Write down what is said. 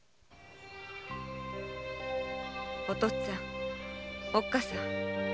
お父っつぁんおっかさん